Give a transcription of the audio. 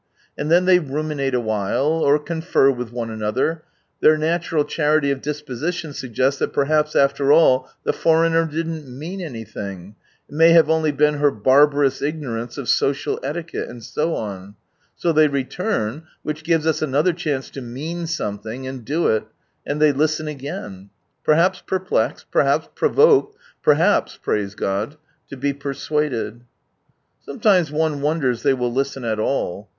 And then they ruminate awhile, or confer with one another; iheir natural charity of disposition suggests that perhaps after all the foreigner didn't mean anything, it may have only been her barbarous ignorance of social etiquette, and so on. So they return, which gives us another chance to mean something, and do it ; and they listen again ; perhaps perplexed, perhaps provoked, perhaps, praise God I to be persuaded. 126 From Sunrise Land Sometimes one wonders Ihey will listen at all.